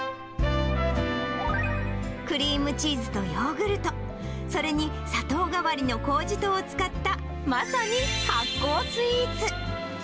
クリームチーズとヨーグルト、それに砂糖代わりのこうじ糖を使った、まさに発酵スイーツ。